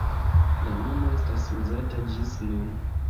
La nomo estas uzata ĝis nun.